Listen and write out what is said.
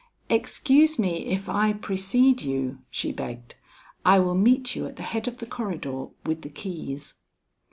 "Excuse me, if I precede you," she begged. "I will meet you at the head of the corridor with the keys."